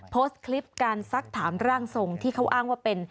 โพสต์คลิปการซักถามร่างทรงที่เขาอ้างว่าเป็น